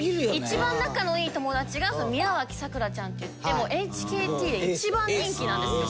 一番仲のいい友達が宮脇咲良ちゃんっていってＨＫＴで一番人気なんですよ。